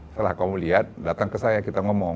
setelah kamu lihat datang ke saya kita ngomong